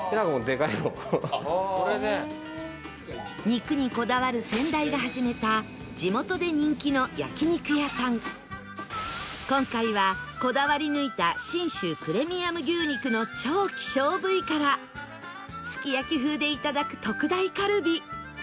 肉にこだわる先代が始めた今回はこだわり抜いた信州プレミアム牛肉の超希少部位からすき焼風でいただく特大カルビ